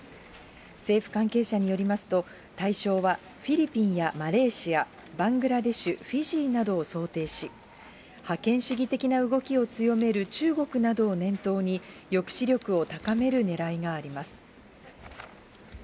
政府関係者によりますと、対象はフィリピンやマレーシア、バングラデシュ、フィジーなどを想定し、覇権主義的な動きを強める中国などを念頭に、抑止力を高めるねらいがあります。